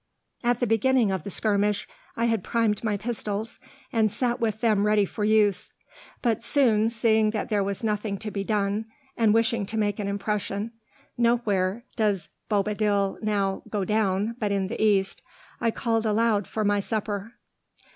At the beginning of the skirmish I had primed my pistols, and sat with them ready for use. But soon seeing that there was nothing to be done, and wishing to make an impression, nowhere does Bobadil now "go down" but in the East, I called aloud for my supper.